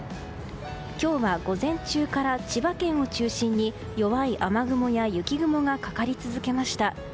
今日は午前中から千葉県を中心に弱い雨雲や雪雲がかかり続けました。